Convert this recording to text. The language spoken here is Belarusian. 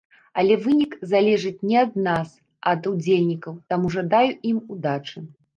Але вынік залежыць не ад нас, а ад удзельнікаў, таму жадаю ім удачы!